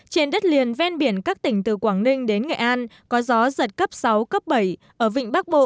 trên đất liền ven biển các tỉnh từ quảng ninh đến nghệ an có gió giật cấp sáu cấp bảy ở vịnh bắc bộ